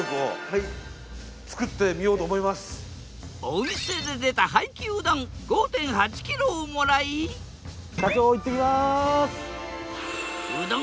お店で出た廃棄うどん５．８キロをもらい社長行ってきます。